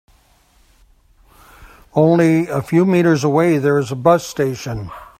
Only a few meters away there is a bus station.